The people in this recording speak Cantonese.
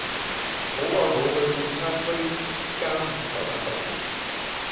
好耐無去半山區加冕台探舅父